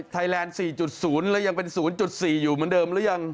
ไทยแลนด์๔๐แล้วยังเป็น๐๔อยู่เหมือนเดิมหรือยัง